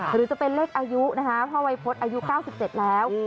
หรือจะเป็นเลขอายุนะคะพ่อวัยพฤษอายุ๙๗แล้ว